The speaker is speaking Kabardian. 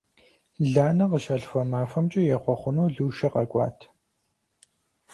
Ланэ къыщалъхуа махуэмкӀэ ехъуэхъуну Лушэ къэкӀуат.